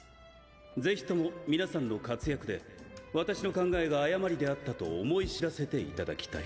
是非とも皆さんの活躍で私の考えが誤りであったと思い知らせて頂きたい。